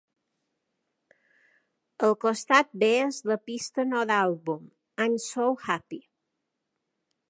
El costat B és la pista no d'àlbum "I'm So Happy".